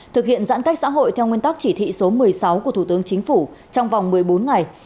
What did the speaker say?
thực hiện giãn cách xã hội theo nguyên tắc chỉ thị số một mươi sáu của thủ tướng chính phủ trong vòng một mươi bốn ngày